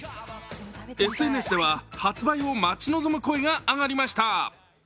ＳＮＳでは、発売を待ち望む声が上がりました。